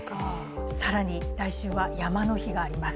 更に来週は山の日があります。